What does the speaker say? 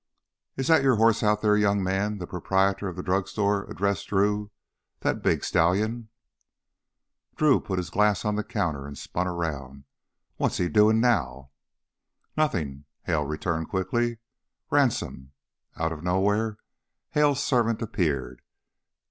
"Is that your horse out there, young man?" the proprietor of the drugstore addressed Drew. "That big stallion?" Drew put his glass on the counter and spun around. "What's he doin' now?" "Nothing," Hale returned quickly. "Ransome!" Out of nowhere Hale's servant appeared.